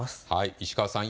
石川さん